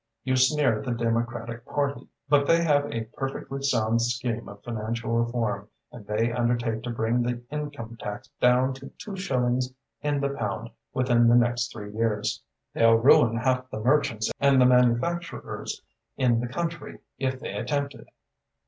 You sneer at the Democratic Party, but they have a perfectly sound scheme of financial reform and they undertake to bring the income tax down to two shillings in the pound within the next three years." "They'll ruin half the merchants and the manufacturers in the country if they attempt it."